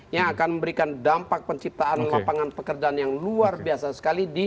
yang akan memberikan dampak penciptaan lapangan pekerjaan yang luar biasa sekali